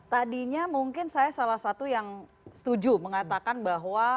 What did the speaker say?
tadinya mungkin saya salah satu yang setuju mengatakan bahwa